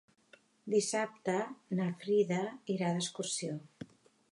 Dissabte na Frida irà d'excursió.